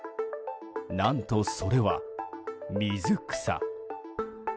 何とそれは水草。